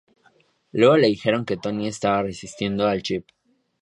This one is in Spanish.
Luego le dijeron que Tony se está resistiendo al chip.